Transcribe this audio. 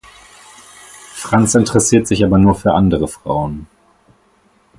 Franz interessiert sich aber nur für andere Frauen.